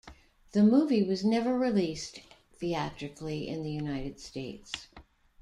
The movie was never released theatrically in the United States.